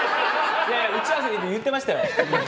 打ち合わせで言ってましたよ。